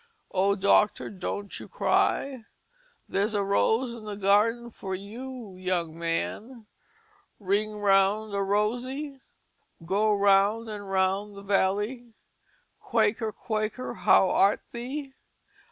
"O dear Doctor don't you cry;" "There's a rose in the garden for you, young man;" "Ring around a rosy;" "Go round and round the valley;" "Quaker, Quaker, How art thee?"